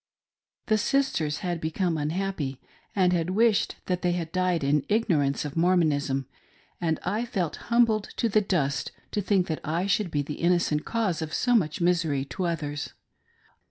The sisters became unhappy, and wished that they had died in ignorance of Mormonism; and I felt humbled to the dust to think that I should be the inno cent cause of so much misery to others.